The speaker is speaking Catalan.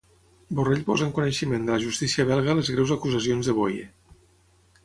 Borrell posa en coneixement de la justícia belga les greus acusacions de Boye.